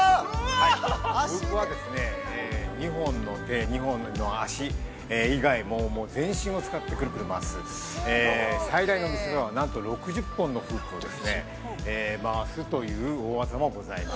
◆ここは２本の手、２本の足以外もう全身を使ってくるくる回す最大の見せ場は、なんと６０本のフープを回すという大技もございます。